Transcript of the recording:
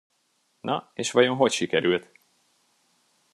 Na, és vajon hogy sikerült?